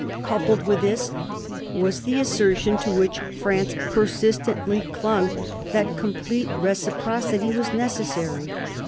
/ Coupled with this was the assertion to which France persistently clung, that complete reciprocity was neces sary.